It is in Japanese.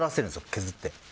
削って。